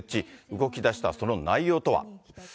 動き出したその内容とは。